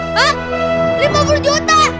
hah lima puluh juta